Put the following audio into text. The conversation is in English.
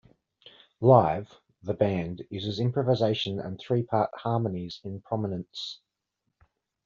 Live, the band uses improvisation and three-part harmonies in prominence.